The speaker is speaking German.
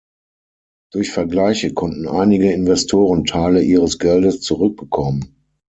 Durch Vergleiche konnten einige Investoren Teile ihres Geldes zurückbekommen.